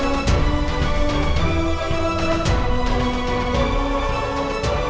aku mau ke sana